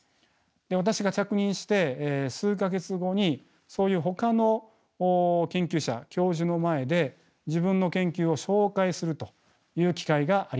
私が着任して数か月後にそういうほかの研究者教授の前で自分の研究を紹介するという機会がありました。